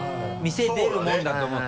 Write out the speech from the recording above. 店出るもんだと思って。